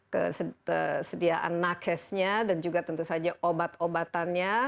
kesediaan nakesnya dan juga tentu saja obat obatannya